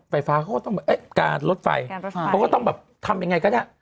ไฟฟ้าก็ต้องเอ๊ะการลดไฟแล้วก็ต้องแบบทำยังไงก็ได้